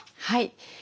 はい。